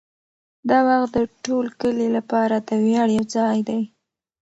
دا باغ د ټول کلي لپاره د ویاړ یو ځای دی.